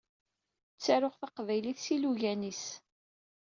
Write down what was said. Ttaruɣ taqbaylit s yilugan-is.